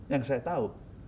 yang saya tahu